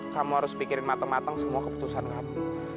kamu harus pikirin matang matang semua keputusan kamu